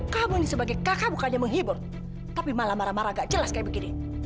kamu ini sebagai kakak bukannya menghibur tapi malah marah marah agak jelas kayak begini